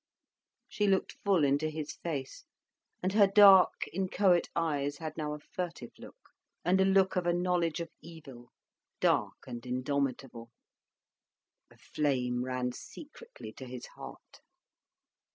She looked full into his face, and her dark, inchoate eyes had now a furtive look, and a look of a knowledge of evil, dark and indomitable. A flame ran secretly to his heart.